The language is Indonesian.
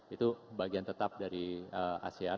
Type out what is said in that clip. itu bagian tetap dari asean